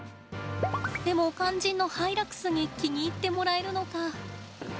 でも肝心のハイラックスに気に入ってもらえるのか。